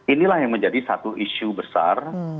inilah yang menjadi satu isu besar